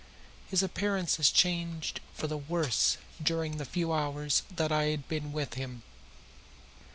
His appearance had changed for the worse during the few hours that I had been with him.